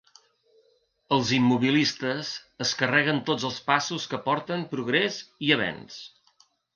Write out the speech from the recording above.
Els immobilistes es carreguen tots els passos que porten progrés i avenç.